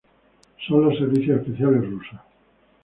Son los servicios especiales rusos.